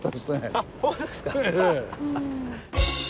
あっそうですかハハハ。